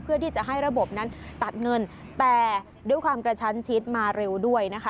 เพื่อที่จะให้ระบบนั้นตัดเงินแต่ด้วยความกระชั้นชิดมาเร็วด้วยนะคะ